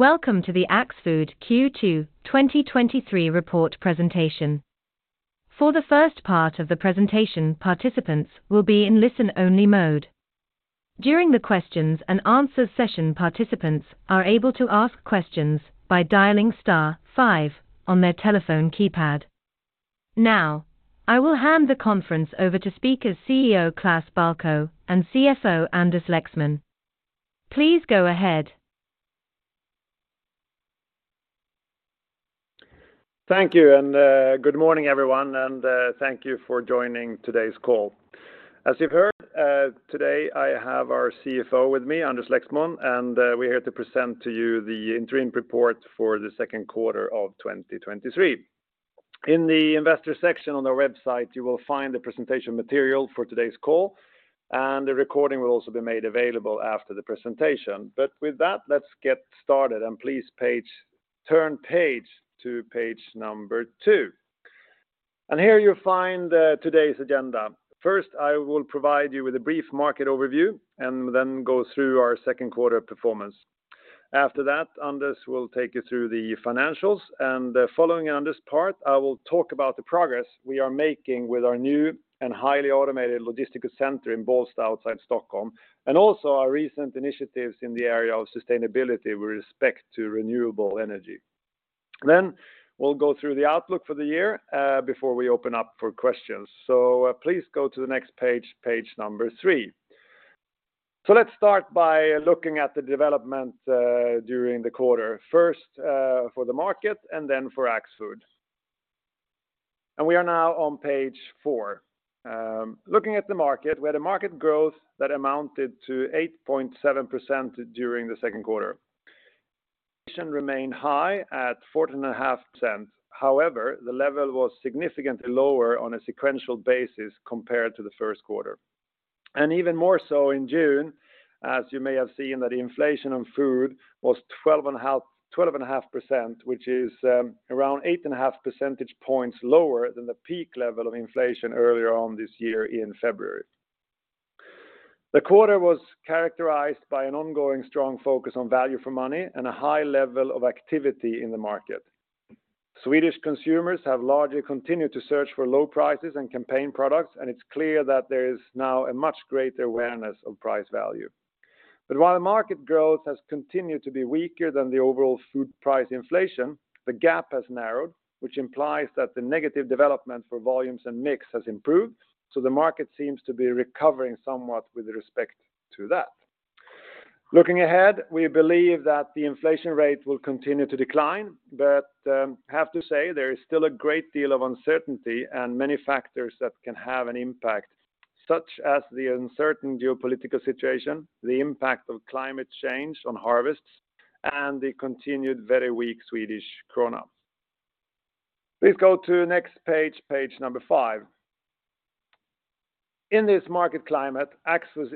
Welcome to the Axfood Q2 2023 Report Presentation. For the first part of the presentation, participants will be in listen-only mode. During the questions and answers session, participants are able to ask questions by dialing star five on their telephone keypad. Now, I will hand the conference over to speakers CEO Klas Balkow and CFO Anders Lexmon. Please go ahead. Thank you, and good morning, everyone, and thank you for joining today's call. As you've heard, today, I have our CFO with me, Anders Lexmon, and we're here to present to you the interim report for the Q2 of 2023. In the investor section on our website, you will find the presentation material for today's call, and the recording will also be made available after the presentation. With that, let's get started, and please turn page to page two. Here you'll find today's agenda. First, I will provide you with a brief market overview and then go through our Q2 performance. After that, Anders will take you through the financials, and following Anders' part, I will talk about the progress we are making with our new and highly automated logistical center in Bålsta, outside Stockholm, and also our recent initiatives in the area of sustainability with respect to renewable energy. We'll go through the outlook for the year before we open up for questions. Please go to the next page three. Let's start by looking at the development during the quarter, first, for the market and then for Axfood. We are now on page four. Looking at the market, we had a market growth that amounted to 8.7% during the Q2. Inflation remained high at 14.5%. The level was significantly lower on a sequential basis compared to the Q1. Even more so in June, as you may have seen, that the inflation on food was 12.5%, which is around 8.5 percentage points lower than the peak level of inflation earlier on this year in February. The quarter was characterized by an ongoing strong focus on value for money and a high level of activity in the market. Swedish consumers have largely continued to search for low prices and campaign products, and it's clear that there is now a much greater awareness of price value. While the market growth has continued to be weaker than the overall food price inflation, the gap has narrowed, which implies that the negative development for volumes and mix has improved, so the market seems to be recovering somewhat with respect to that. Looking ahead, we believe that the inflation rate will continue to decline, I have to say there is still a great deal of uncertainty and many factors that can have an impact, such as the uncertain geopolitical situation, the impact of climate change on harvests, and the continued very weak Swedish krona. Please go to the next page number five. In this market climate, Axfood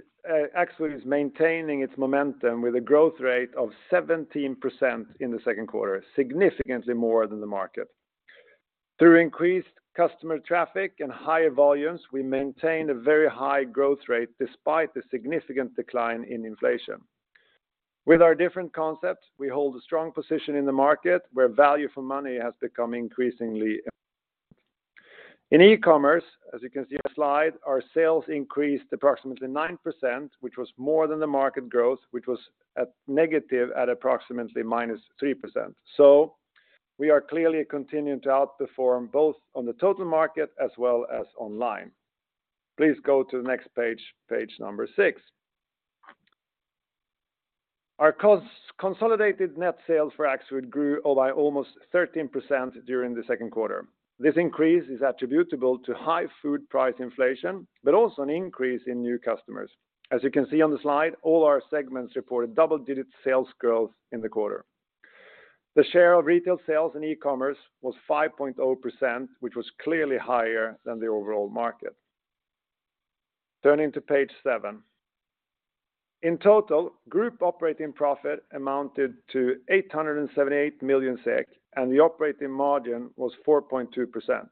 is maintaining its momentum with a growth rate of 17% in the Q2, significantly more than the market. Through increased customer traffic and higher volumes, we maintained a very high growth rate despite the significant decline in inflation. With our different concepts, we hold a strong position in the market where value for money has become increasingly important. In e-commerce, as you can see on the slide, our sales increased approximately 9%, which was more than the market growth, which was at negative at approximately -3%. We are clearly continuing to outperform both on the total market as well as online. Please go to the next page number six. Our consolidated net sales for Axfood grew by almost 13% during the Q2. This increase is attributable to high food price inflation, but also an increase in new customers. As you can see on the slide, all our segments reported double-digit sales growth in the quarter. The share of retail sales in e-commerce was 5.0%, which was clearly higher than the overall market. Turning to page seven. In total, group operating profit amounted to 878 million SEK, and the operating margin was 4.2%.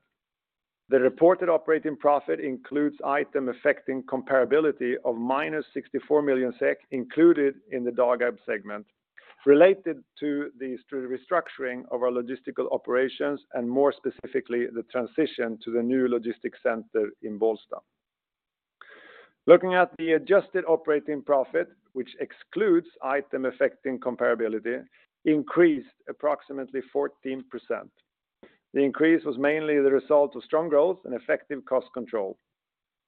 The reported operating profit includes items affecting comparability of minus 64 million SEK, included in the Dagab segment, related to the restructuring of our logistical operations and more specifically, the transition to the new logistics center in Bålsta. Looking at the adjusted operating profit, which excludes items affecting comparability, increased approximately 14%. The increase was mainly the result of strong growth and effective cost control.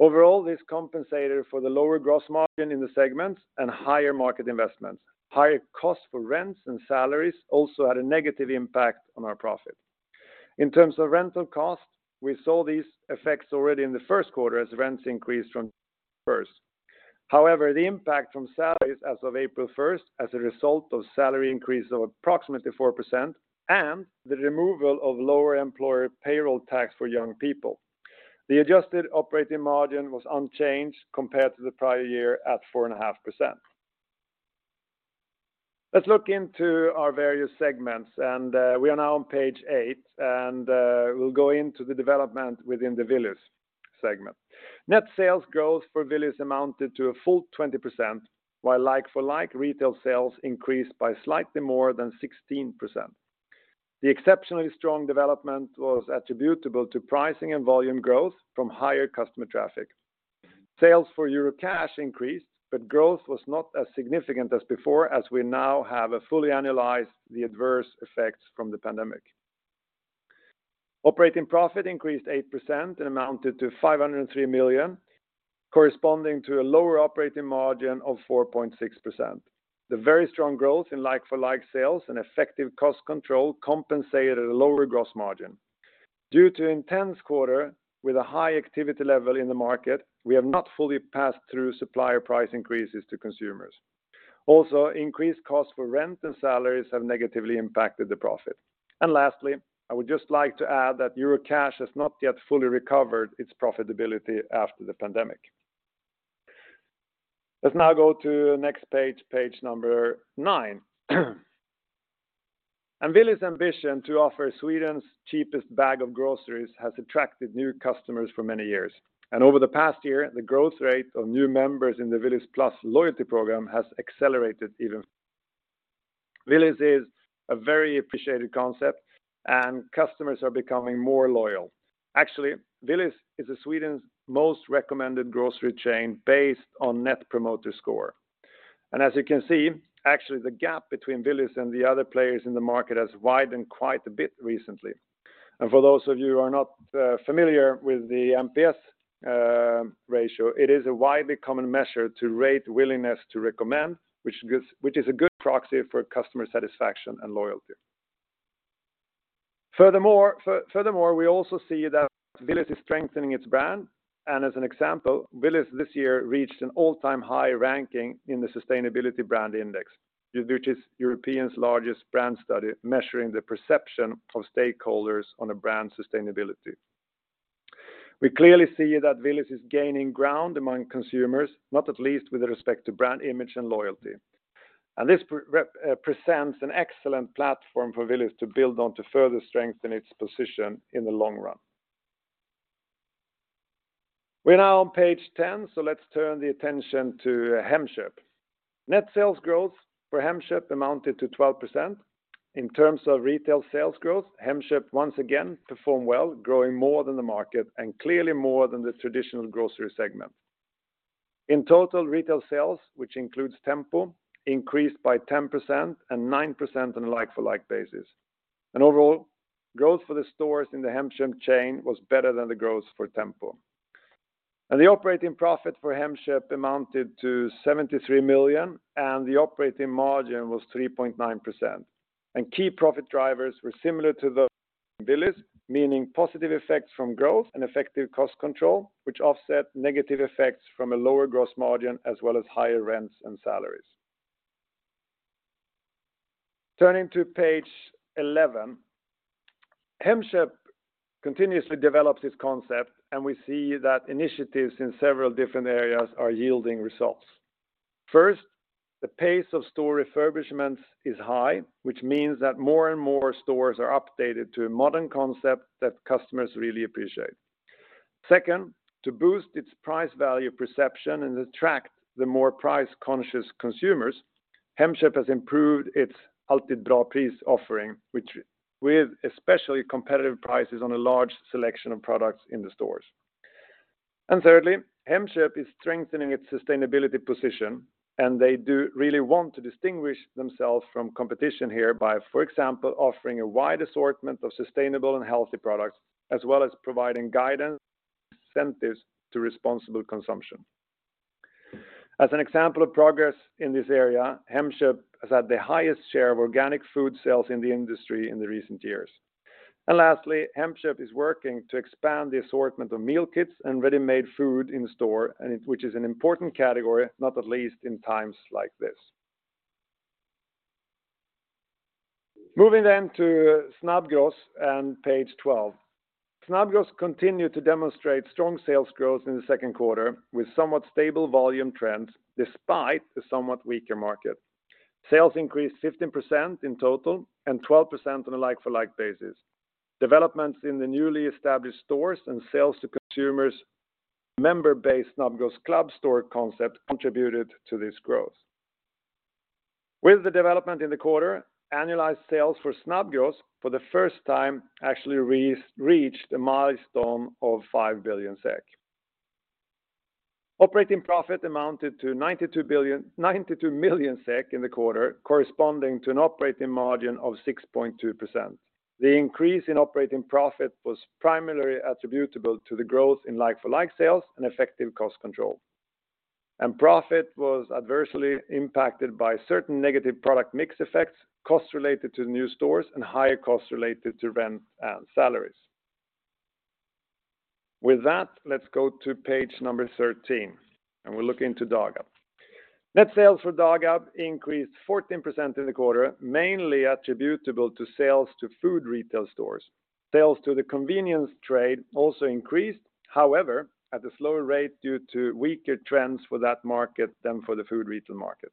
Overall, this compensated for the lower gross margin in the segments and higher market investments. Higher costs for rents and salaries also had a negative impact on our profit. In terms of rental costs, we saw these effects already in the Q1 as rents increased from first. However, the impact from salaries as of April first, as a result of salary increase of approximately 4% and the removal of lower employer payroll tax for young people. The adjusted operating margin was unchanged compared to the prior year at 4.5%. Let's look into our various segments, and we are now on page eight, and we'll go into the development within the Willys segment. Net sales growth for Willys amounted to a full 20%, while like-for-like retail sales increased by slightly more than 16%. The exceptionally strong development was attributable to pricing and volume growth from higher customer traffic. Sales for Eurocash increased, but growth was not as significant as before, as we now have a fully analyzed the adverse effects from the pandemic. Operating profit increased 8% and amounted to 503 million, corresponding to a lower operating margin of 4.6%. The very strong growth in like-for-like sales and effective cost control compensated a lower gross margin. Due to intense quarter with a high activity level in the market, we have not fully passed through supplier price increases to consumers. Increased costs for rent and salaries have negatively impacted the profit. Lastly, I would just like to add that Eurocash has not yet fully recovered its profitability after the pandemic. Let's now go to the next page number nine. Willys' ambition to offer Sweden's cheapest bag of groceries has attracted new customers for many years, and over the past year, the growth rate of new members in the Willys plus loyalty program has accelerated even. Willys is a very appreciated concept, and customers are becoming more loyal. Actually, Willys is a Sweden's most recommended grocery chain based on Net Promoter Score. As you can see, actually, the gap between Willys and the other players in the market has widened quite a bit recently. For those of you who are not familiar with the MPS ratio, it is a widely common measure to rate willingness to recommend, which is a good proxy for customer satisfaction and loyalty. Furthermore, we also see that Willys is strengthening its brand, and as an example, Willys this year reached an all-time high ranking in the Sustainable Brand Index, which is Europe's largest brand study, measuring the perception of stakeholders on a brand's sustainability. We clearly see that Willys is gaining ground among consumers, not at least with respect to brand image and loyalty. This presents an excellent platform for Willys to build on to further strengthen its position in the long run. We're now on page 10, let's turn the attention to Hemköp. Net sales growth for Hemköp amounted to 12%. In terms of retail sales growth, Hemköp, once again, performed well, growing more than the market and clearly more than the traditional grocery segment. In total, retail sales, which includes Tempo, increased by 10% and 9% on a like-for-like basis. Overall, growth for the stores in the Hemköp chain was better than the growth for Tempo. The operating profit for Hemköp amounted to 73 million, and the operating margin was 3.9%. Key profit drivers were similar to those Willys, meaning positive effects from growth and effective cost control, which offset negative effects from a lower gross margin as well as higher rents and salaries. Turning to page 11, Hemköp continuously develops its concept, and we see that initiatives in several different areas are yielding results. First, the pace of store refurbishments is high, which means that more and more stores are updated to a modern concept that customers really appreciate. Second, to boost its price value perception and attract the more price-conscious consumers, Hemköp has improved its Alltid Bra Pris offering, which with especially competitive prices on a large selection of products in the stores. Thirdly, Hemköp is strengthening its sustainability position, and they do really want to distinguish themselves from competition here by, for example, offering a wide assortment of sustainable and healthy products, as well as providing guidance, incentives to responsible consumption. As an example of progress in this area, Hemköp has had the highest share of organic food sales in the industry in the recent years. Lastly, Hemköp is working to expand the assortment of meal kits and ready-made food in store, which is an important category, not at least in times like this. Moving to Snabbgross on page 12. Snabbgross continued to demonstrate strong sales growth in the Q2, with somewhat stable volume trends, despite the somewhat weaker market. Sales increased 15% in total and 12% on a like-for-like basis. Developments in the newly established stores and sales to consumers' member-based Snabbgross Club store concept contributed to this growth. With the development in the quarter, annualized sales for Snabbgross, for the first time, actually reached a milestone of 5 billion SEK. Operating profit amounted to 92 million SEK in the quarter, corresponding to an operating margin of 6.2%. The increase in operating profit was primarily attributable to the growth in like-for-like sales and effective cost control. Profit was adversely impacted by certain negative product mix effects, costs related to new stores, and higher costs related to rent and salaries. With that, let's go to page 13, and we're looking to Dagab. Net sales for Dagab increased 14% in the quarter, mainly attributable to sales to food retail stores. Sales to the convenience trade also increased, however, at a slower rate due to weaker trends for that market than for the food retail market.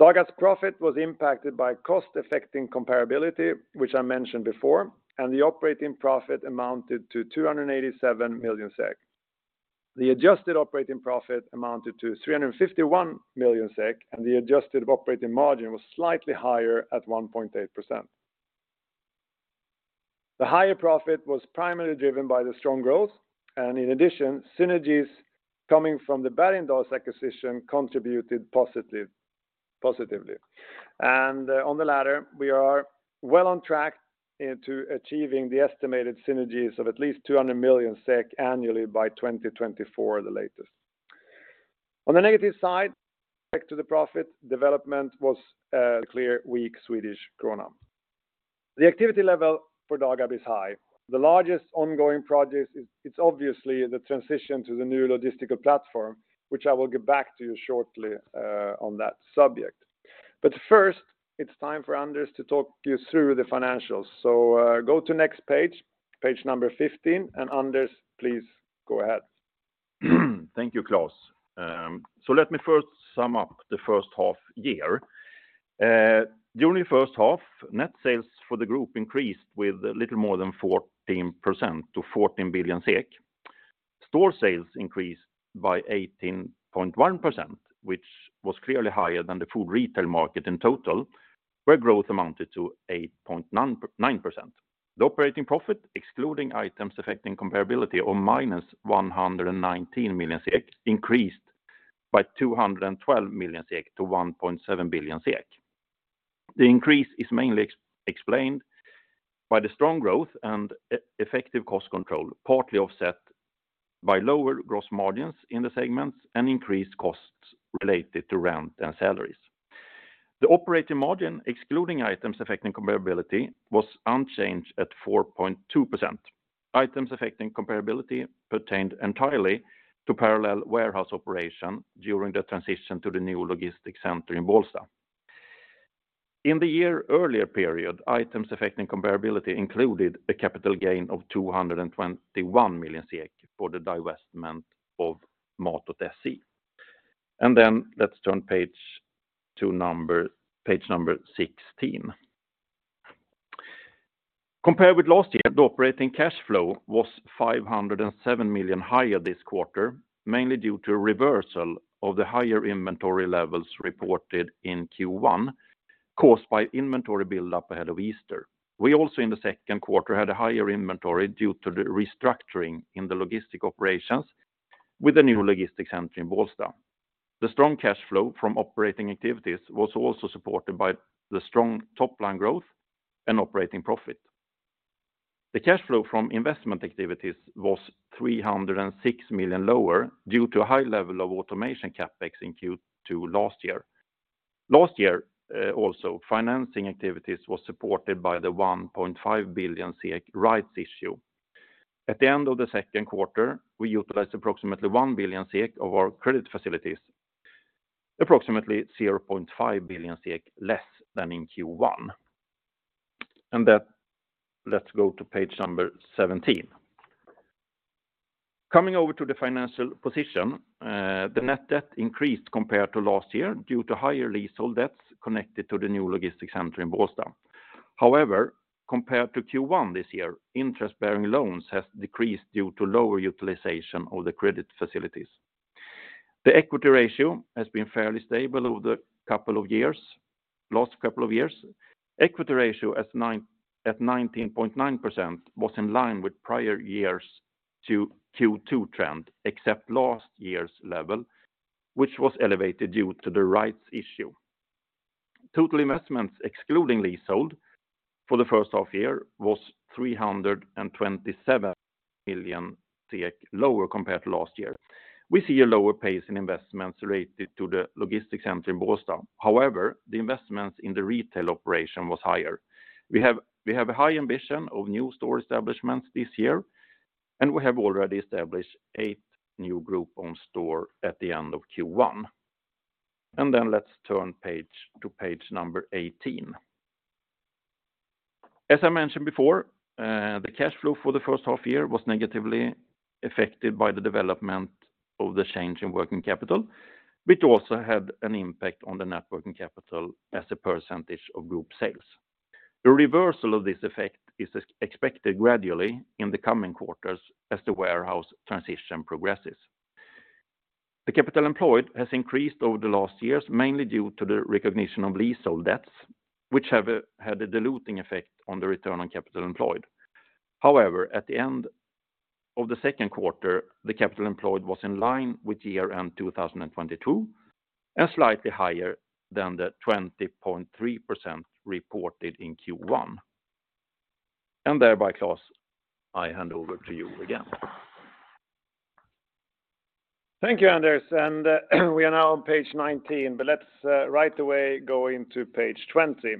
Dagab's profit was impacted by items affecting comparability, which I mentioned before, and the operating profit amounted to 287 million SEK. The adjusted operating profit amounted to 351 million SEK, and the adjusted operating margin was slightly higher at 1.8%. The higher profit was primarily driven by the strong growth. In addition, synergies coming from the Bergendahls acquisition contributed positively. On the latter, we are well on track into achieving the estimated synergies of at least 200 million SEK annually by 2024, the latest. On the negative side, back to the profit, development was clear, weak Swedish krona. The activity level for Dagab is high. The largest ongoing project is obviously the transition to the new logistical platform, which I will get back to you shortly on that subject. First, it's time for Anders to talk you through the financials. Go to next page number 15. Anders, please go ahead. Thank you, Klas. Let me first sum up the first half year. During the first half, net sales for the group increased with a little more than 14% to 14 billion SEK. Store sales increased by 18.1%, which was clearly higher than the food retail market in total, where growth amounted to 8.99%. The operating profit, excluding items affecting comparability or minus 119 million SEK, increased by 212 million SEK to 1.7 billion SEK. The increase is mainly explained by the strong growth and effective cost control, partly offset by lower gross margins in the segments and increased costs related to rent and salaries. The operating margin, excluding items affecting comparability, was unchanged at 4.2%. Items affecting comparability pertained entirely to parallel warehouse operation during the transition to the new logistics center in Bålsta. In the year earlier period, items affecting comparability included a capital gain of 221 million SEK for the divestment of Mat.se. let's turn to page number 16. Compared with last year, the operating cash flow was 507 million higher this quarter, mainly due to reversal of the higher inventory levels reported in Q1, caused by inventory build-up ahead of Easter. We also, in the Q2, had a higher inventory due to the restructuring in the logistic operations with the new logistics center in Bålsta. The strong cash flow from operating activities was also supported by the strong top-line growth and operating profit. The cash flow from investment activities was 306 million lower due to a high level of automation CapEx in Q2 last year. Last year, also, financing activities was supported by the 1.5 billion rights issue. At the end of the Q2, we utilized approximately 1 billion of our credit facilities, approximately 0.5 billion less than in Q1. Let's go to page number 17. Coming over to the financial position, the net debt increased compared to last year due to higher leasehold debts connected to the new logistics center in Bålsta. However, compared to Q1 this year, interest-bearing loans has decreased due to lower utilization of the credit facilities. The equity ratio has been fairly stable over the couple of years, last couple of years. Equity ratio at 19.9% was in line with prior years to Q2 trend, except last year's level, which was elevated due to the rights issue. Total investments, excluding leasehold, for the first half year, was 327 million lower compared to last year. We see a lower pace in investments related to the logistics center in Bålsta. The investments in the retail operation was higher. We have a high ambition of new store establishments this year, we have already established 8 new group-owned store at the end of Q1. Let's turn page to page number 18. As I mentioned before, the cash flow for the first half year was negatively affected by the development of the change in working capital, which also had an impact on the net working capital as a percentage of group sales. The reversal of this effect is expected gradually in the coming quarters as the warehouse transition progresses. The capital employed has increased over the last years, mainly due to the recognition of leasehold debts, which had a diluting effect on the return on capital employed. However, at the end of the Q2, the capital employed was in line with year-end 2022, and slightly higher than the 20.3% reported in Q1. Klas, I hand over to you again. Thank you, Anders, and we are now on page 19, but let's right away go into page 20.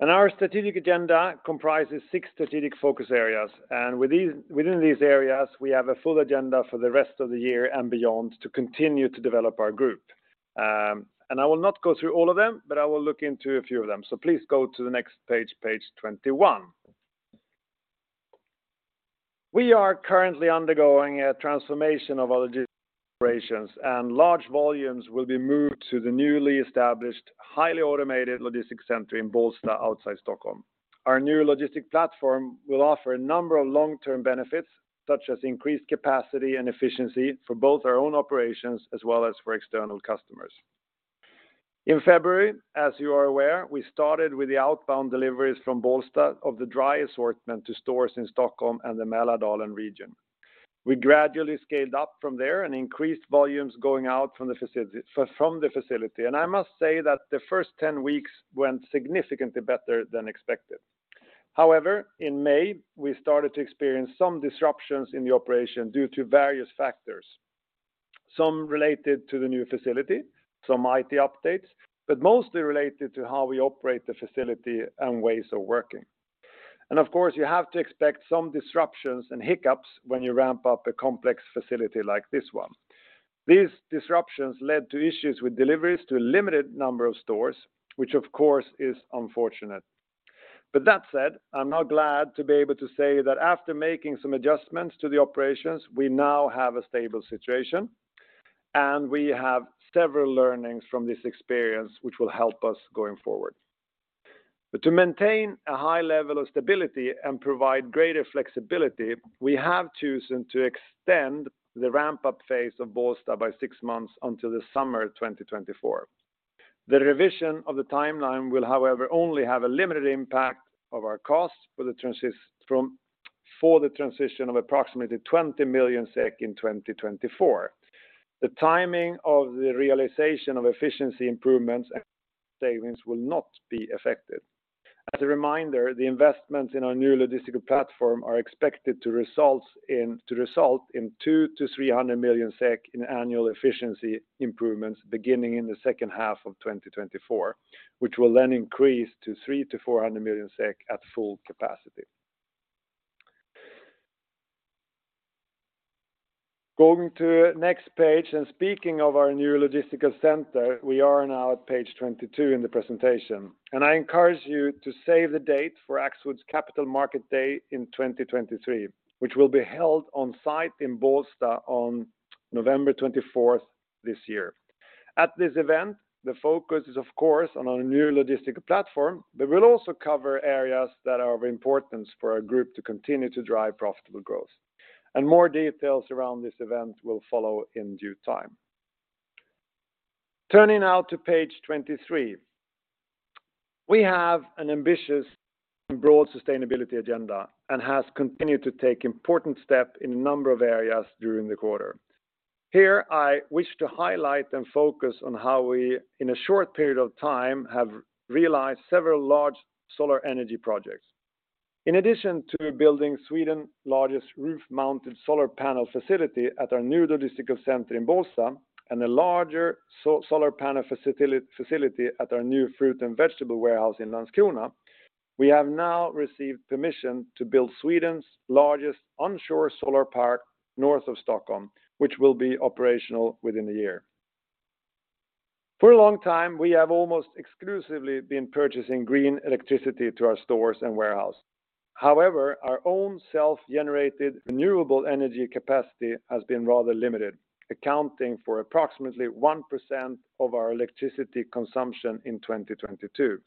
Our strategic agenda comprises six strategic focus areas, within these areas, we have a full agenda for the rest of the year and beyond to continue to develop our group. I will not go through all of them, but I will look into a few of them. Please go to the next page 21. We are currently undergoing a transformation of our logistic operations, and large volumes will be moved to the newly established, highly automated logistics center in Bålsta, outside Stockholm. Our new logistic platform will offer a number of long-term benefits, such as increased capacity and efficiency for both our own operations as well as for external customers. In February, as you are aware, we started with the outbound deliveries from Bålsta of the dry assortment to stores in Stockholm and the Mälardalen region. We gradually scaled up from there and increased volumes going out from the facility, and I must say that the first 10 weeks went significantly better than expected. However, in May, we started to experience some disruptions in the operation due to various factors, some related to the new facility, some IT updates, but mostly related to how we operate the facility and ways of working. Of course, you have to expect some disruptions and hiccups when you ramp up a complex facility like this one. These disruptions led to issues with deliveries to a limited number of stores, which of course, is unfortunate. That said, I'm now glad to be able to say that after making some adjustments to the operations, we now have a stable situation, and we have several learnings from this experience, which will help us going forward. To maintain a high level of stability and provide greater flexibility, we have chosen to extend the ramp-up phase of Bålsta by six months until the summer of 2024. The revision of the timeline will, however, only have a limited impact of our costs for the transition of approximately 20 million SEK in 2024. The timing of the realization of efficiency improvements and savings will not be affected. As a reminder, the investments in our new logistical platform are expected to result in 200-300 million SEK in annual efficiency improvements beginning in the second half of 2024, which will then increase to 300-400 million SEK at full capacity. Going to next page. Speaking of our new logistical center, we are now at page 22 in the presentation. I encourage you to save the date for Axfood's Capital Market Day in 2023, which will be held on site in Bålsta on November 24th this year. At this event, the focus is, of course, on our new logistical platform, but we'll also cover areas that are of importance for our group to continue to drive profitable growth. More details around this event will follow in due time. Turning now to page 23. We have an ambitious and broad sustainability agenda and have continued to take important steps in a number of areas during the quarter. Here, I wish to highlight and focus on how we, in a short period of time, have realized several large solar energy projects. In addition to building Sweden's largest roof-mounted solar panel facility at our new logistical center in Bålsta, and a larger solar panel facility at our new fruit and vegetable warehouse in Landskrona, we have now received permission to build Sweden's largest onshore solar park north of Stockholm, which will be operational within the year. For a long time, we have almost exclusively been purchasing green electricity to our stores and warehouse. However, our own self-generated renewable energy capacity has been rather limited, accounting for approximately 1% of our electricity consumption in 2022.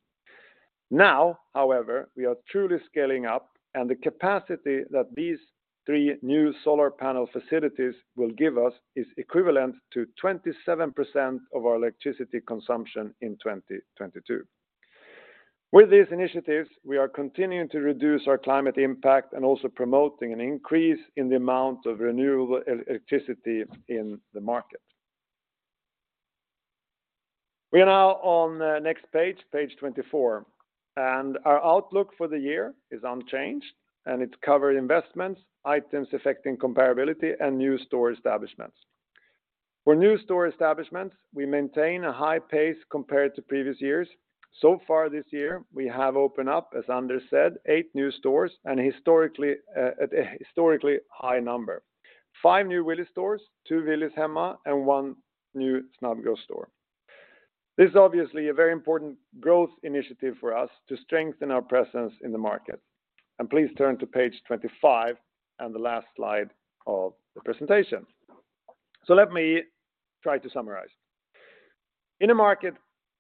However, we are truly scaling up, and the capacity that these 3 new solar panel facilities will give us is equivalent to 27% of our electricity consumption in 2022. With these initiatives, we are continuing to reduce our climate impact and also promoting an increase in the amount of renewable electricity in the market. We are now on the next page 24. Our outlook for the year is unchanged, and it cover investments, items affecting comparability, and new store establishments. For new store establishments, we maintain a high pace compared to previous years. So far this year, we have opened up, as Anders said, 8 new stores and historically, at a historically high number: five new Willys stores, two Willys Hemma, and one new Snabbgross store. This is obviously a very important growth initiative for us to strengthen our presence in the market. Please turn to page 25 and the last slide of the presentation. Let me try to summarize. In a market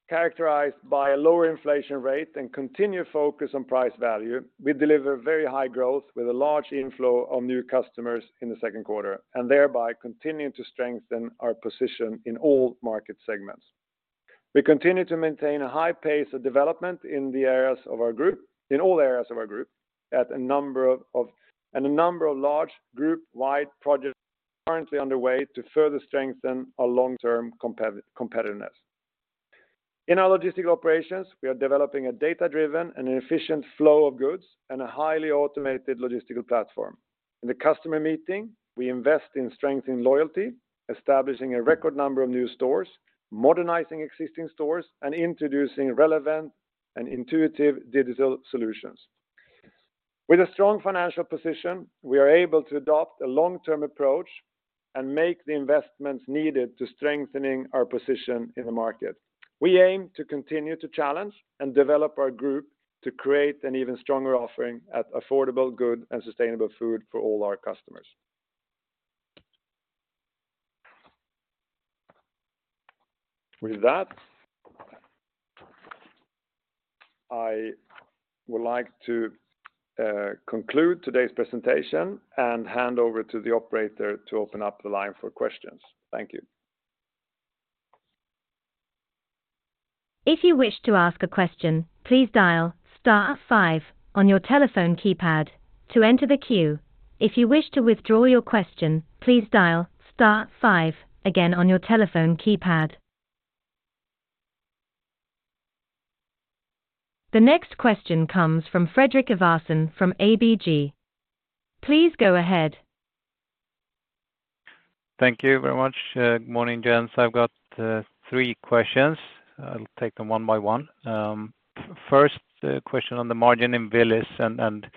characterized by a lower inflation rate and continued focus on price value, we deliver very high growth with a large inflow of new customers in the Q2, and thereby continuing to strengthen our position in all market segments. We continue to maintain a high pace of development in all areas of our group, at a number of and a number of large group-wide projects currently underway to further strengthen our long-term competitiveness. In our logistical operations, we are developing a data-driven and an efficient flow of goods and a highly automated logistical platform. In the customer meeting, we invest in strengthening loyalty, establishing a record number of new stores, modernizing existing stores, and introducing relevant and intuitive digital solutions. With a strong financial position, we are able to adopt a long-term approach. make the investments needed to strengthening our position in the market. We aim to continue to challenge and develop our group to create an even stronger offering at affordable good and sustainable food for all our customers. With that, I would like to conclude today's presentation and hand over to the operator to open up the line for questions. Thank you. If you wish to ask a question, please dial star five on your telephone keypad to enter the queue. If you wish to withdraw your question, please dial star 5 again on your telephone keypad. The next question comes from Fredrik Ivarsson from ABG. Please go ahead. Thank you very much. Good morning, gents. I've got three questions. I'll take them one by one. First, the question on the margin in Willys and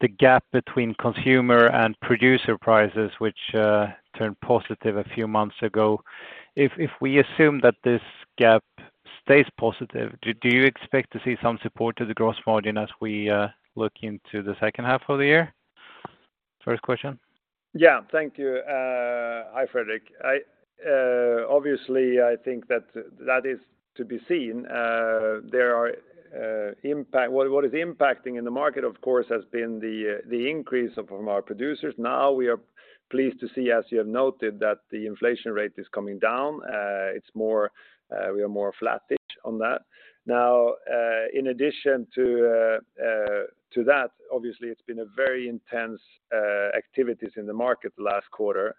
the gap between consumer and producer prices, which turned positive a few months ago. If we assume that this gap stays positive, do you expect to see some support to the gross margin as we look into the second half of the year? First question. Yeah. Thank you. Hi, Fredrik. I obviously think that that is to be seen. There are what is impacting in the market, of course, has been the increase of our producers. Now, we are pleased to see, as you have noted, that the inflation rate is coming down. It's more we are more flattish on that. Now, in addition to that, obviously, it's been a very intense activities in the market last quarter,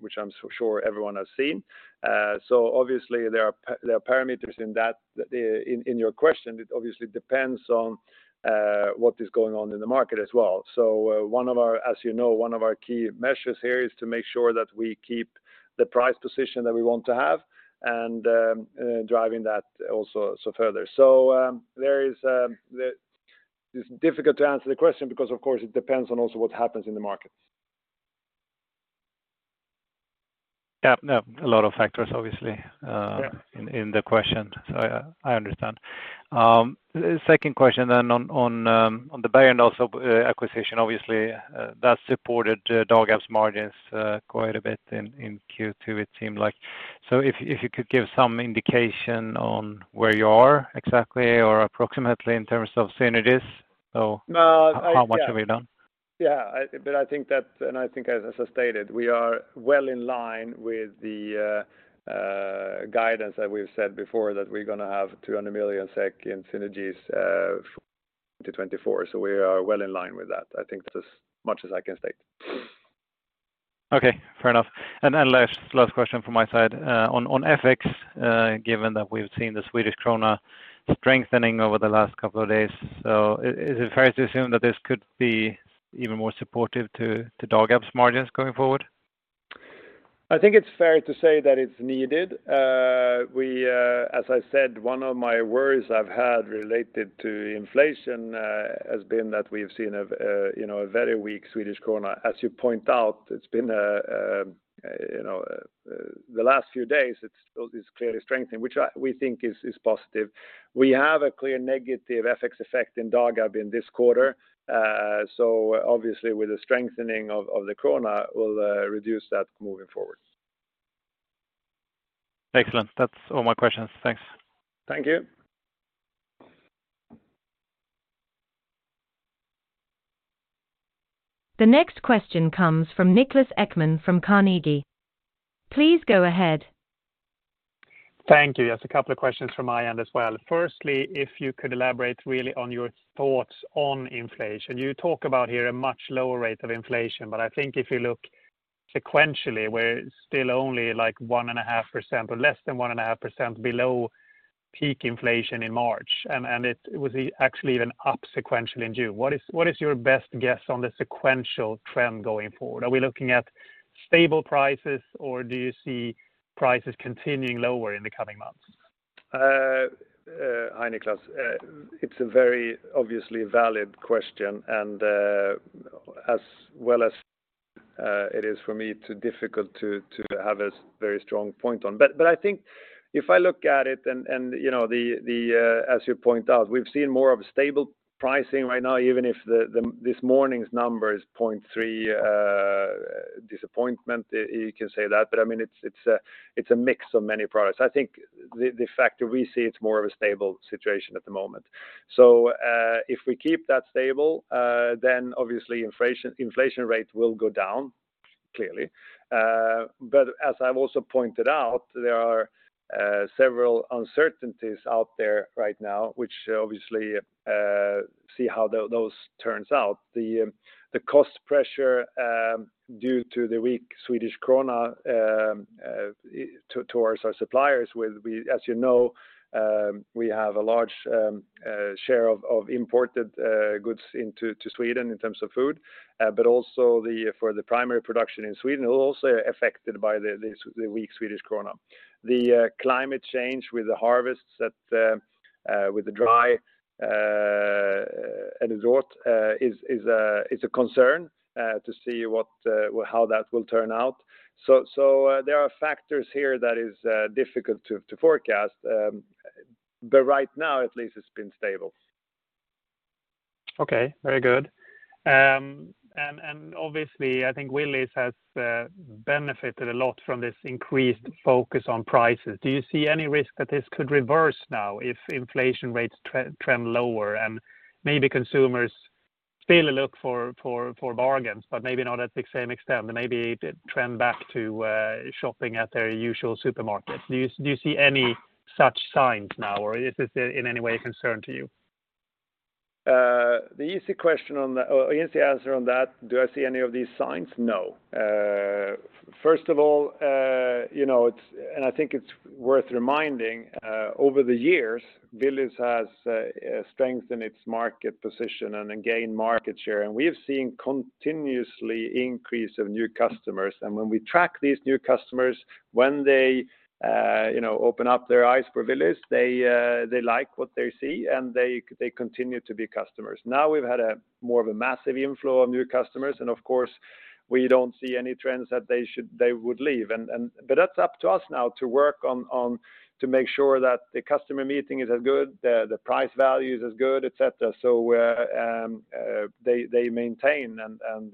which I'm so sure everyone has seen. Obviously, there are parameters in that in your question. It obviously depends on what is going on in the market as well. One of our... as you know, one of our key measures here is to make sure that we keep the price position that we want to have, and driving that also so further. There is, it's difficult to answer the question because, of course, it depends on also what happens in the markets. Yeah, no, a lot of factors, obviously. Yeah ...in the question. I understand. Second question then on the Bergendahls acquisition, obviously, that supported Dagab's margins quite a bit in Q2, it seemed like. If you could give some indication on where you are exactly or approximately in terms of synergies. No. How much have you done? I think that, and I think as I stated, we are well in line with the guidance that we've said before, that we're gonna have 200 million SEK in synergies to 2024. We are well in line with that. I think that's as much as I can state. Okay, fair enough. Last question from my side. On, on FX, given that we've seen the Swedish krona strengthening over the last couple of days, is it fair to assume that this could be even more supportive to Dagab's margins going forward? I think it's fair to say that it's needed. we, as I said, one of my worries I've had related to inflation, has been that we've seen a, you know, a very weak Swedish krona. As you point out, it's been a, you know, the last few days, it's clearly strengthening, which we think is positive. We have a clear negative FX effect in Dagab in this quarter. Obviously, with the strengthening of the krona, we'll reduce that moving forward. Excellent. That's all my questions. Thanks. Thank you. The next question comes from Niklas Ekman from Carnegie. Please go ahead. Thank you. Just a couple of questions from my end as well. Firstly, if you could elaborate really on your thoughts on inflation. You talk about here a much lower rate of inflation, but I think if you look sequentially, we're still only, like, 1.5% or less than 1.5% below peak inflation in March, and it was actually even up sequentially in June. What is your best guess on the sequential trend going forward? Are we looking at stable prices, or do you see prices continuing lower in the coming months? Hi, Niklas. It's a very obviously valid question, and as well as it is for me, too difficult to have a very strong point on. I think if I look at it, and you know, the, as you point out, we've seen more of a stable pricing right now, even if this morning's number is 0.3, disappointment, you can say that, but I mean, it's a mix of many products. I think the fact that we see it's more of a stable situation at the moment. If we keep that stable, then obviously inflation rate will go down, clearly. As I've also pointed out, there are several uncertainties out there right now, which obviously, see how those turns out. The cost pressure due to the weak Swedish krona towards our suppliers, we, as you know, we have a large share of imported goods to Sweden in terms of food, but also for the primary production in Sweden, who are also affected by the weak Swedish krona. The climate change with the harvests that with the dry and drought is a concern to see what how that will turn out. There are factors here that is difficult to forecast. Right now, at least, it's been stable. Very good. Obviously, I think Willys has benefited a lot from this increased focus on prices. Do you see any risk that this could reverse now if inflation rates trend lower, and maybe consumers still look for bargains, but maybe not at the same extent, and maybe they trend back to shopping at their usual supermarket? Do you see any such signs now, or is this in any way a concern to you? The easy question or the easy answer on that, do I see any of these signs? No. First of all, you know, and I think it's worth reminding, over the years, Willys has strengthened its market position and then gained market share, and we have seen continuously increase of new customers. When we track these new customers, when they, you know, open up their eyes for Willys, they like what they see, and they continue to be customers. We've had a more of a massive inflow of new customers, of course, we don't see any trends that they would leave. That's up to us now to work on to make sure that the customer meeting is as good, the price value is as good, et cetera. They maintain and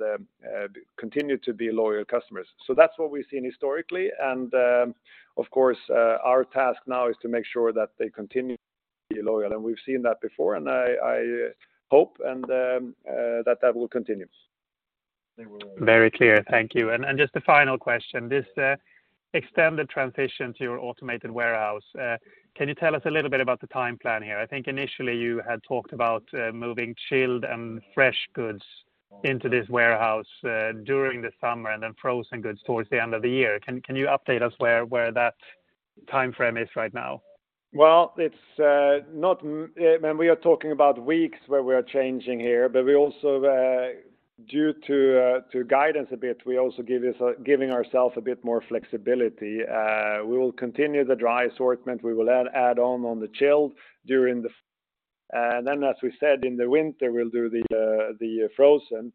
continue to be loyal customers. That's what we've seen historically, and of course, our task now is to make sure that they continue to be loyal, and we've seen that before, and I hope that will continue. Very clear. Thank you. Just a final question. This extended transition to your automated warehouse, can you tell us a little bit about the time plan here? I think initially you had talked about moving chilled and fresh goods into this warehouse during the summer, and then frozen goods towards the end of the year. Can you update us where that timeframe is right now? Well, it's not. When we are talking about weeks where we are changing here, but we also, due to guidance a bit, we also giving ourselves a bit more flexibility. We will continue the dry assortment. We will add on the chilled during the. As we said, in the winter, we'll do the frozen.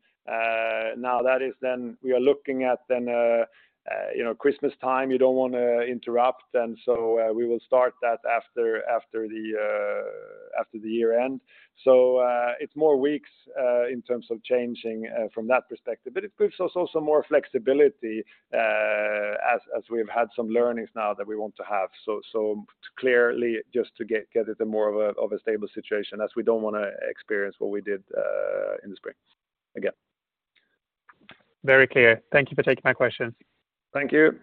Now, that is then we are looking at then, you know, Christmas time, you don't wanna interrupt. We will start that after the year end. It's more weeks in terms of changing from that perspective, but it gives us also more flexibility as we've had some learnings now that we want to have. Clearly, just to get it a more of a stable situation as we don't wanna experience what we did in the spring again. Very clear. Thank you for taking my question. Thank you.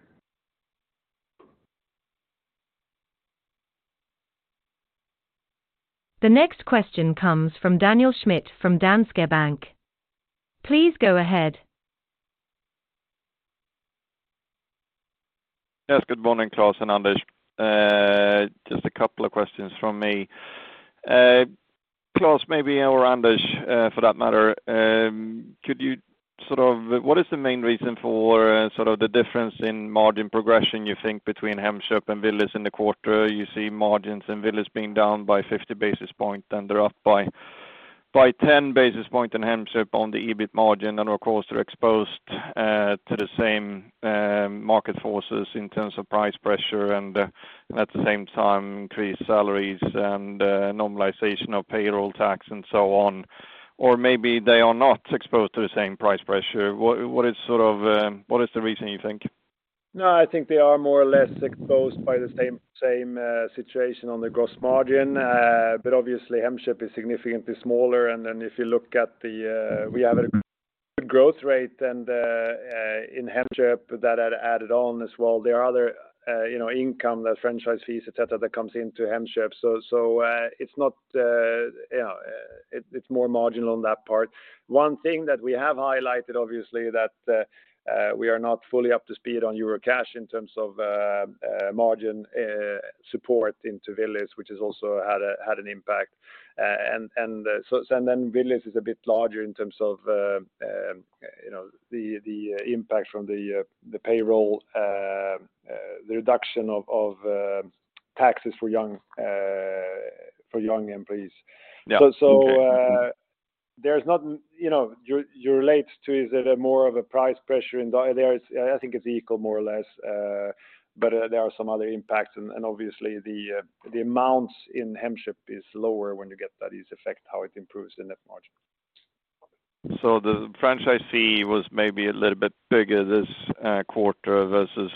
The next question comes from Daniel Schmidt from Danske Bank. Please go ahead. Yes, good morning, Klas and Anders. Just a couple of questions from me. Klas, maybe, or Anders, for that matter, what is the main reason for sort of the difference in margin progression, you think, between Hemköp and Willys in the quarter? You see margins in Willys being down by 50 basis points, and they're up by 10 basis points in Hemköp on the EBIT margin, and of course, they're exposed to the same market forces in terms of price pressure and at the same time, increased salaries and normalization of payroll tax and so on. Maybe they are not exposed to the same price pressure. What is sort of what is the reason you think? No, I think they are more or less exposed by the same situation on the gross margin, but obviously, Hemköp is significantly smaller. If you look at the, we have a good growth rate and in Hemköp that had added on as well. There are other, you know, income, the franchise fees, et cetera, that comes into Hemköp. It's not, you know, it's more marginal on that part. One thing that we have highlighted, obviously, that we are not fully up to speed on Eurocash in terms of margin support into Willys, which has also had an impact. Willys is a bit larger in terms of, you know, the impact from the payroll, the reduction of taxes for young employees. Yeah. Okay. There's not... You know, you relate to, is it a more of a price pressure in there? I think it's equal, more or less, but there are some other impacts, and obviously, the amounts in Hemköp is lower when you get that effect, how it improves the net margin. The franchise fee was maybe a little bit bigger this quarter versus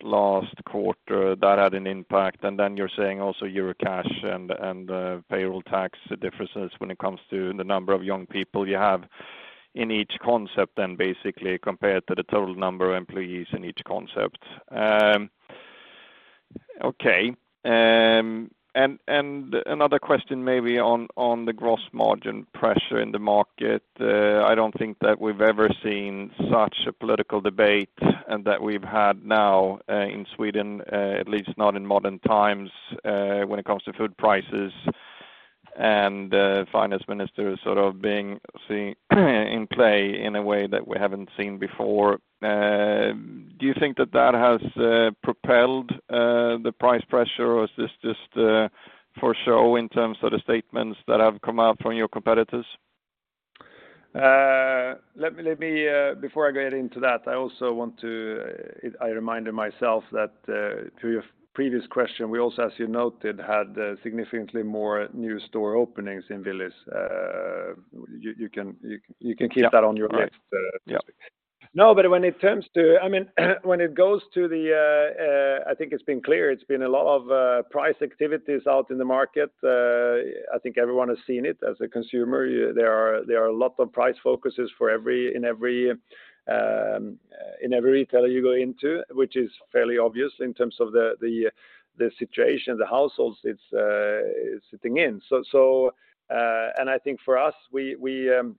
last quarter. That had an impact. Then you're saying also Eurocash and payroll tax, the differences when it comes to the number of young people you have in each concept, and basically compared to the total number of employees in each concept. Okay. Another question maybe on the gross margin pressure in the market. I don't think that we've ever seen such a political debate, and that we've had now in Sweden, at least not in modern times, when it comes to food prices, and finance minister sort of being in play in a way that we haven't seen before. Do you think that that has propelled the price pressure, or is this just for show in terms of the statements that have come out from your competitors?... let me, before I get into that, I reminded myself that, to your previous question, we also, as you noted, had, significantly more new store openings in Willys. you can keep that on your mind. Yeah. When it comes to, I mean, when it goes to the, I think it's been clear, it's been a lot of price activities out in the market. I think everyone has seen it as a consumer. There are a lot of price focuses in every retailer you go into, which is fairly obvious in terms of the situation, the households it's sitting in. I think for us, we, you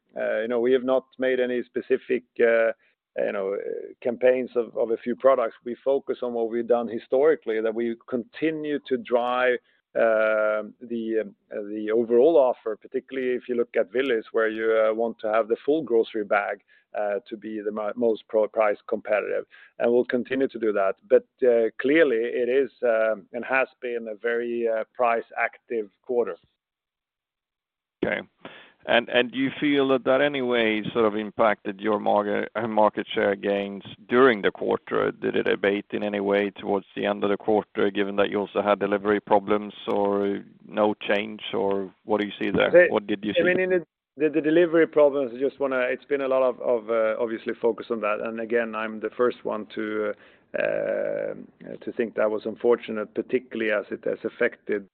know, we have not made any specific, you know, campaigns of a few products. We focus on what we've done historically, that we continue to drive the overall offer, particularly if you look at Willys, where you want to have the full grocery bag to be the most price competitive, and we'll continue to do that. Clearly, it is and has been a very price active quarter. Okay. Do you feel that that anyway, sort of impacted your market share gains during the quarter? Did it abate in any way towards the end of the quarter, given that you also had delivery problems or no change, or what do you see there? What did you see? I mean, in the delivery problems, I just wanna. It's been a lot of, obviously focus on that. Again, I'm the first one to think that was unfortunate, particularly as it has affected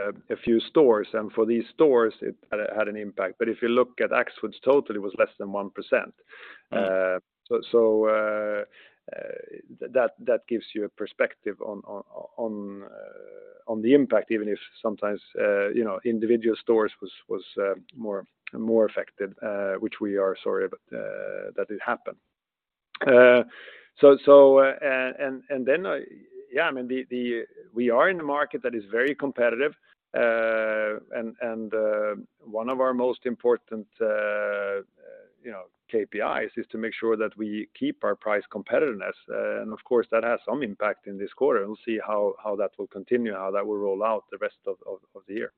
a few stores, and for these stores, it had an impact. But if you look at Axfood's total, it was less than 1%. Mm. That gives you a perspective on the impact, even if sometimes, you know, individual stores was more affected, which we are sorry about, that it happened. Yeah, I mean, we are in a market that is very competitive, and one of our most important, you know, KPIs is to make sure that we keep our price competitiveness. Of course, that has some impact in this quarter. We'll see how that will continue, how that will roll out the rest of the year.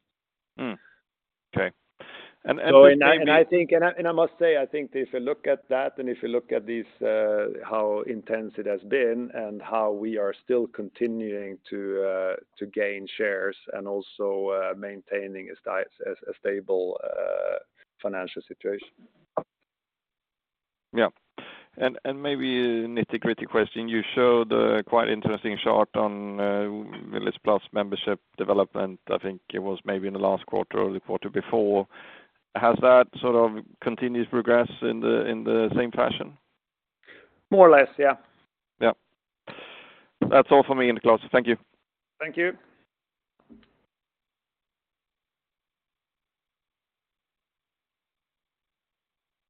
Okay. I think, and I must say, I think if you look at that, and if you look at these, how intense it has been and how we are still continuing to gain shares and also, maintaining a stable financial situation. Yeah. And maybe a nitty-gritty question: you showed a quite interesting chart on Willys Plus membership development. I think it was maybe in the last quarter or the quarter before. Has that sort of continuous progress in the same fashion? More or less, yeah. Yeah. That's all for me, Klas. Thank you. Thank you.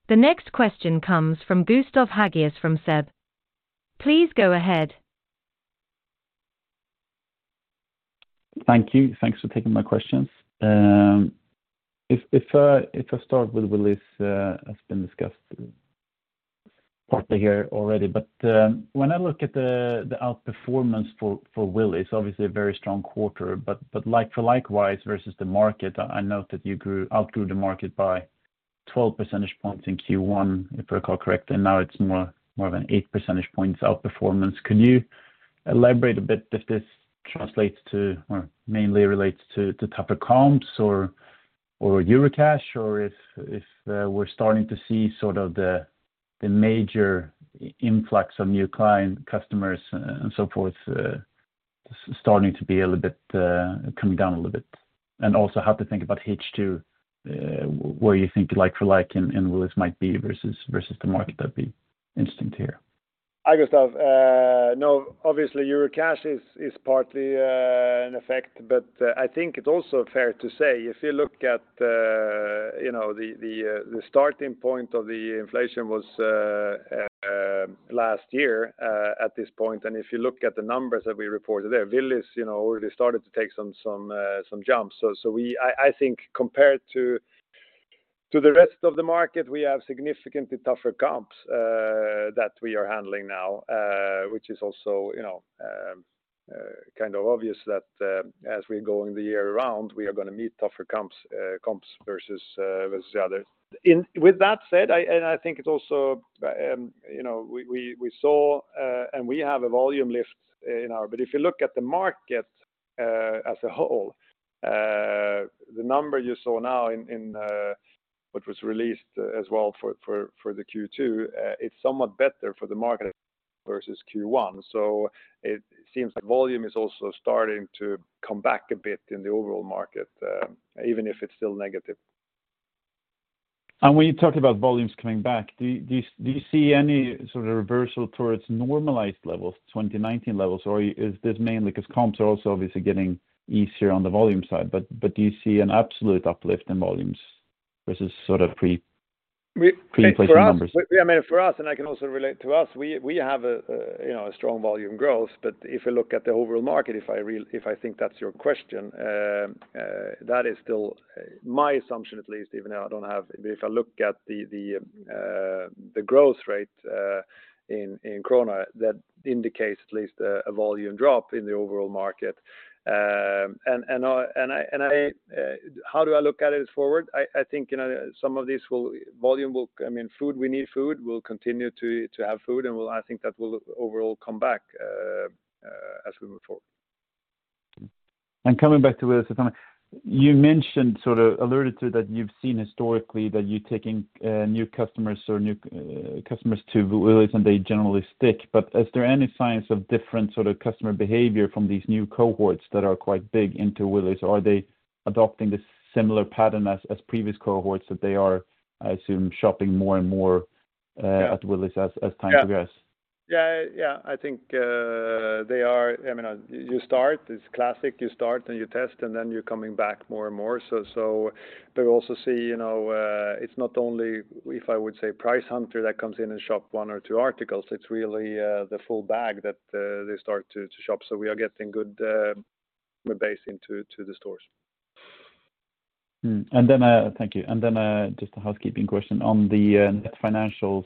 The next question comes from Gustav Hagéus from SEB. Please go ahead. Thank you. Thanks for taking my questions. If, if I start with Willys, that's been discussed partly here already. When I look at the outperformance for Willys, obviously a very strong quarter, but like-for-like, versus the market, I note that you outgrew the market by 12 percentage points in Q1, if I recall correctly, and now it's more than 8 percentage points outperformance. Could you elaborate a bit if this translates to or mainly relates to tougher comps or Eurocash, or if we're starting to see sort of the major influx of new customers and so forth, starting to be a little bit coming down a little bit? Also, how to think about H2, where you think like-for-like in Willys might be versus the market? That'd be interesting to hear. Gustav, no, obviously, Eurocash is partly an effect. I think it's also fair to say, if you look at, you know, the starting point of the inflation was last year at this point. If you look at the numbers that we reported there, Willys, you know, already started to take some jumps. I think compared to the rest of the market, we have significantly tougher comps that we are handling now, which is also, you know, kind of obvious that as we go in the year around, we are gonna meet tougher comps versus the others. With that said, I, and I think it also, you know, we saw, and we have a volume lift in our... If you look at the market, as a whole, the number you saw now in what was released as well for the Q2, it's somewhat better for the market versus Q1. It seems like volume is also starting to come back a bit in the overall market, even if it's still negative. When you talk about volumes coming back, do you see any sort of reversal towards normalized levels, 2019 levels? Or is this mainly because comps are also obviously getting easier on the volume side, but do you see an absolute uplift in volumes versus sort of pre- We- Pre-placement numbers? Yeah, I mean, for us, and I can also relate to us, we have a, you know, a strong volume growth. If you look at the overall market, if I think that's your question, that is still my assumption, at least, even though I don't have... If I look at the growth rate in SEK, that indicates at least a volume drop in the overall market. How do I look at it forward? I think, you know, some of these will, volume will. I mean, food, we need food. We'll continue to have food, and I think that will overall come back as we move forward. Coming back to Willys, you mentioned, sort of alluded to that you've seen historically that you're taking new customers or new customers to Willys, and they generally stick. Is there any signs of different sort of customer behavior from these new cohorts that are quite big into Willys? Are they adopting this similar pattern as previous cohorts that they are, I assume, shopping more and more at Willys as time goes? Yeah. Yeah, I think, I mean, you start, it's classic, you start, and you test, and then you're coming back more and more. We also see, you know, it's not only if I would say price hunter that comes in and shop one or two articles, it's really the full bag that they start to shop. We are getting good base into the stores. Thank you. Then, just a housekeeping question. On the net financials,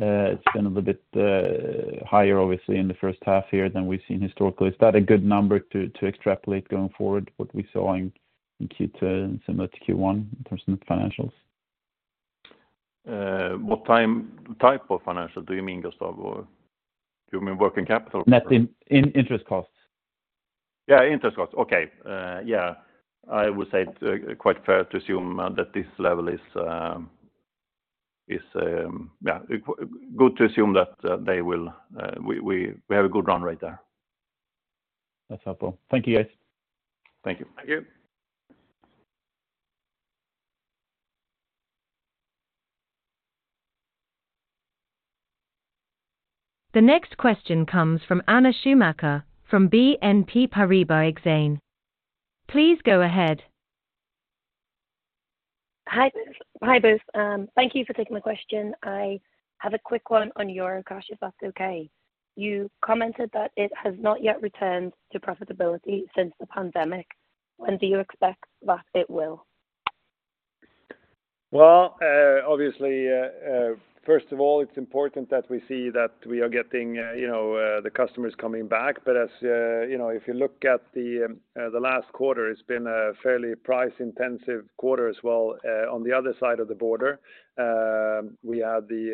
it's been a little bit higher, obviously, in the first half here than we've seen historically. Is that a good number to extrapolate going forward, what we saw in Q2, similar to Q1 in terms of net financials? What type of financial do you mean, Gustavo? Do you mean working capital? Net in interest costs. Interest costs. Okay. I would say it's quite fair to assume that this level is good to assume that they will, we have a good run right there. That's helpful. Thank you, guys. Thank you. Thank you. The next question comes from Anna Schumacher from BNP Paribas Exane. Please go ahead. Hi, both. Thank you for taking my question. I have a quick one on your City Gross, if that's okay. You commented that it has not yet returned to profitability since the pandemic. When do you expect that it will? Well, obviously, first of all, it's important that we see that we are getting, you know, the customers coming back. As, you know, if you look at the last quarter, it's been a fairly price-intensive quarter as well. On the other side of the border, we have the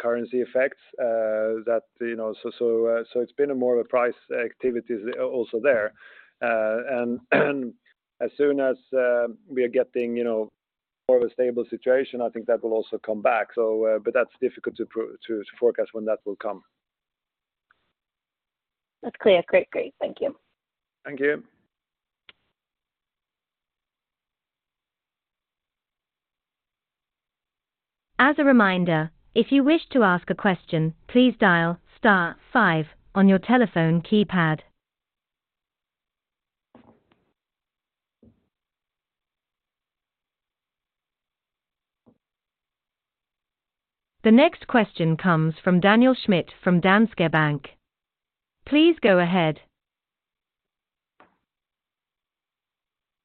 currency effects, that, you know, so it's been a more of a price activities also there. As soon as, we are getting, you know, more of a stable situation, I think that will also come back. But that's difficult to forecast when that will come. That's clear. Great. Thank you. Thank you. As a reminder, if you wish to ask a question, please dial star five on your telephone keypad. The next question comes from Daniel Schmidt from Danske Bank. Please go ahead.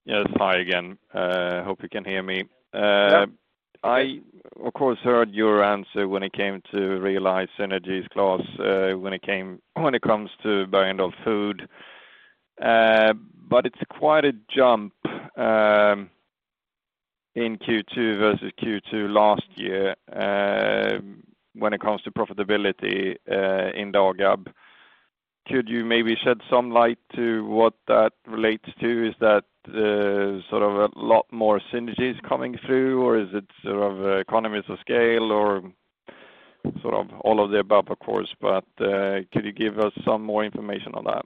Yes, hi again. Hope you can hear me. Yeah. I, of course, heard your answer when it came to realize synergies, Klas, when it comes to Bergendahls Food. It's quite a jump in Q2 versus Q2 last year when it comes to profitability in Dagab. Could you maybe shed some light to what that relates to? Is that sort of a lot more synergies coming through, or is it sort of economies of scale or sort of all of the above, of course, but could you give us some more information on that?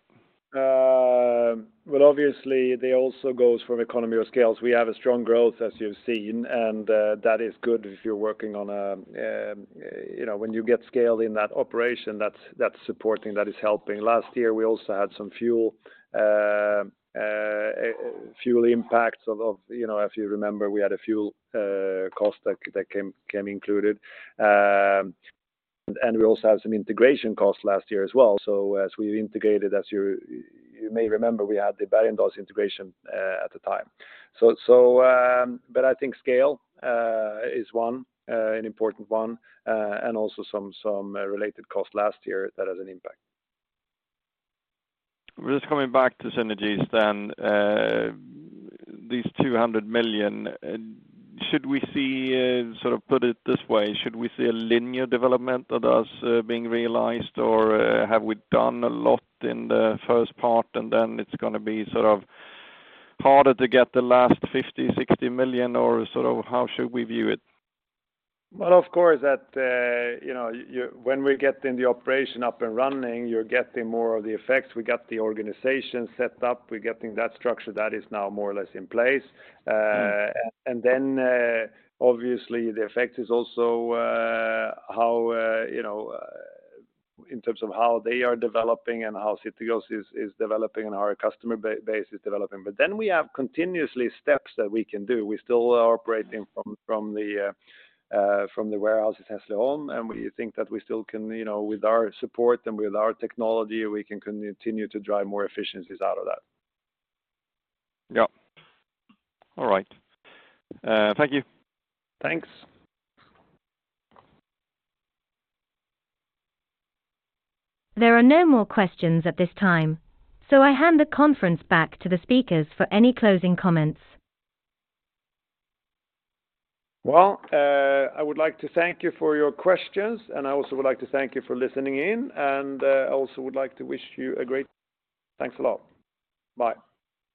Well, obviously, they also goes from economy of scales. We have a strong growth, as you've seen, and that is good if you're working on a, you know, when you get scaled in that operation, that's supporting, that is helping. Last year, we also had some fuel impacts of. You know, if you remember, we had a fuel cost that came included. We also have some integration costs last year as well. As we integrated, as you may remember, we had the Bergendahls integration at the time. But I think scale is one important one, and also some related cost last year that has an impact. Just coming back to synergies then, these 200 million, should we see, sort of put it this way, should we see a linear development that is being realized, or, have we done a lot in the first part, and then it's gonna be sort of harder to get the last 50 million, 60 million, or sort of how should we view it? Well, of course, that, you know, when we get in the operation up and running, you're getting more of the effects. We got the organization set up. We're getting that structure that is now more or less in place. Obviously, the effect is also how, you know, in terms of how they are developing and how City Gross is developing and how our customer base is developing. We have continuously steps that we can do. We still are operating from the warehouse in Hässleholm, and we think that we still can, you know, with our support and with our technology, we can continue to drive more efficiencies out of that. Yeah. All right. Thank you. Thanks. There are no more questions at this time. I hand the conference back to the speakers for any closing comments. Well, I would like to thank you for your questions, and I also would like to thank you for listening in. Thanks a lot. Bye.